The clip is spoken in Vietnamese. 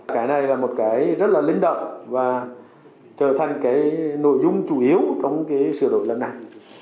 cái này là một cái rất là linh động và trở thành cái nội dung chủ yếu trong cái sửa đổi lần này